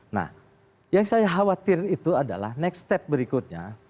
nah yang saya khawatir itu adalah next step berikutnya